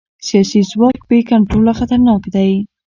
سیاسي ځواک بې کنټروله خطرناک دی